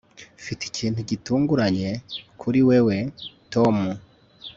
mfite ikintu gitunguranye kuri wewe, tom